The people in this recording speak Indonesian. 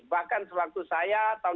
bahkan sewaktu saya tahun dua ribu empat belas